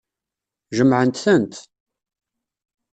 Jemɛent-tent.